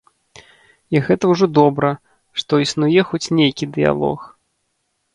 І гэта ўжо добра, што існуе хоць нейкі дыялог.